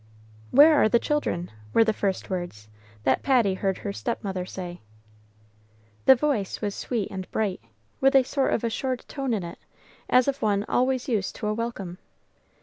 "Where are the children?" were the first words that Patty heard her stepmother say. The voice was sweet and bright, with a sort of assured tone in it, as of one used always to a welcome.